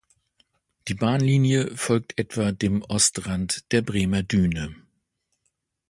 Die Bahnlinie folgt etwa dem Ostrand der Bremer Düne.